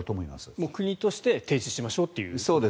もう国として停止しましょうと。